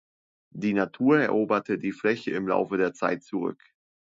Die Natur eroberte die Fläche im Laufe der Zeit zurück.